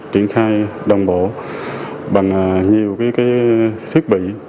triển khai đồng bộ bằng nhiều thiết bị